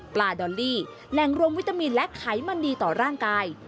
ดอลลี่แหล่งรวมวิตามินและไขมันดีต่อร่างกาย